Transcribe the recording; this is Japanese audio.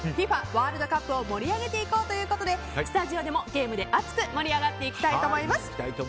ワールドカップを盛り上げていこうということでスタジオでもゲームで熱く盛り上がっていこうと思います。